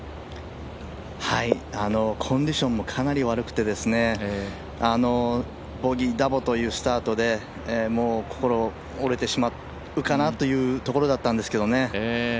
コンディションもかなり悪くて、ボギー、ダボというスタートでもう心折れてしまうかなというところだったんですけどね。